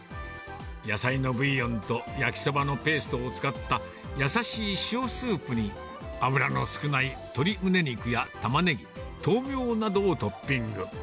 野菜のブイヨンと焼きそばのペーストを使ったやさしい塩スープに、脂の少ない鶏むね肉やタマネギ、トウミョウなどをトッピング。